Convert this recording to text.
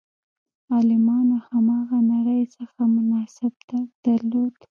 عالمانو له هماغه نړۍ څخه مناسب درک درلود.